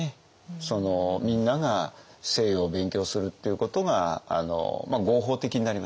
みんなが西洋を勉強するっていうことが合法的になりましたから。